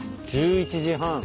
１１時半。